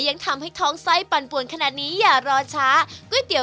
ยังทำให้ท้องไส้ปั่นปวนขนาดนี้อย่ารอช้าก๋วยเตี๋ย